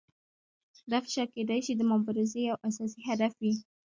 دا فشار کیدای شي د مبارزې یو اساسي هدف وي.